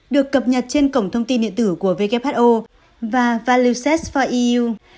được cập nhật trên cổng thông tin điện tử của who và valueset for eu